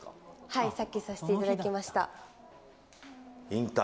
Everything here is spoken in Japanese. はい、さっきさせていただき引退？